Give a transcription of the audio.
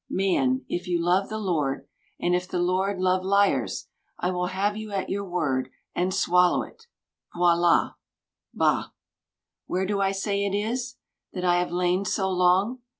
— ^Man, if you love the Lord, and if the Lord Love liars, I will have you at your word And swallow it. Voila. Bah I Where do I say it is That I have lain so long?